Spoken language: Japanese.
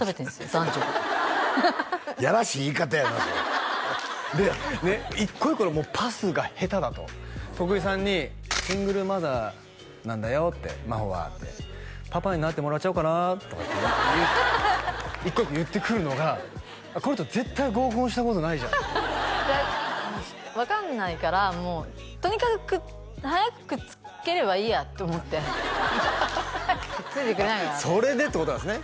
男女がいやらしい言い方やなで一個一個のパスが下手だと徳井さんに「シングルマザーなんだよ」って「真帆は」って「パパになってもらっちゃおっかな」とかって一個一個言ってくるのがこの人絶対合コンしたことないじゃんって分かんないからもうとにかく早くくっつければいいやって思って早くくっついてくれないかなってそれでってことなんですね